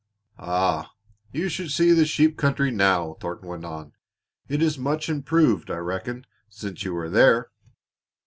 "Ah, you should see the sheep country now!" Thornton went on. "It is much improved, I reckon, since you were there."